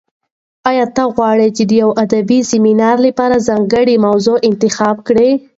ایا ته غواړې د یو ادبي سیمینار لپاره ځانګړې موضوع انتخاب کړې؟